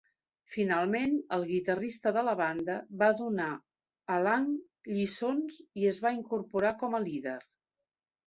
Finalment, el guitarrista de la banda va donar a Lang lliçons i es va incorporar com a líder.